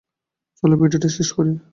চলো, ভিডিওটা শেষ করি।